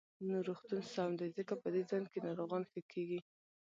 نو روغتون سم دی، ځکه په دې ځاى کې ناروغان ښه کېږي.